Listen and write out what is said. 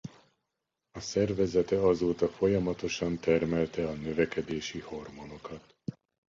A szervezete azóta folyamatosan termelte a növekedési hormonokat.